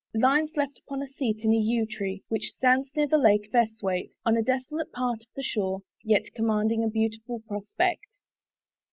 LINES LEFT UPON A SEAT IN A YEW TREE WHICH STANDS NEAR THE LAKE OF ESTHWAITE, ON A DESOLATE PART OF THE SHORE, YET COMMANDING A BEAUTIFUL PROSPECT.